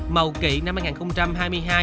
màu kỵ năm hai nghìn hai mươi hai